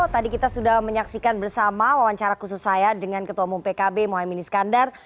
tadi kita sudah menyaksikan bersama wawancara khusus saya dengan ketua umum pkb mohaimin iskandar